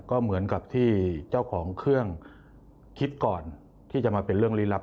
ก็เหมือนกับที่เจ้าของเครื่องคิดก่อนที่จะมาเป็นเรื่องลี้ลับ